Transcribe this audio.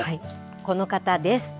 この方です。